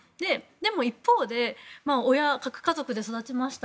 でも一方で、核家族で育ちました